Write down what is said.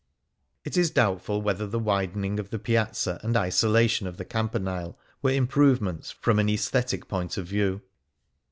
It is doubtful whether the widening; of the Piazza and isolation of the Campanile were improvements from an aesthetic point of view.